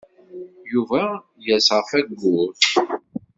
Yuba yers ɣef wayyur.